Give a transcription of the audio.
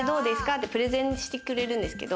ってプレゼンしてくれるんですけど